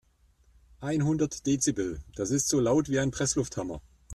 Einhundert Dezibel, das ist so laut wie ein Presslufthammer.